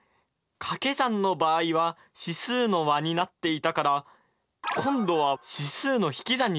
かけ算の場合は指数の和になっていたから今度は指数の引き算になっていてほしいな！